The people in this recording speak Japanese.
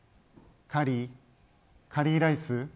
カリー、カリーライス